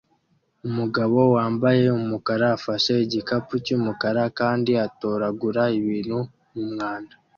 Umugabo wambaye umukara afashe igikapu cyumukara kandi atoragura ibintu mumwanda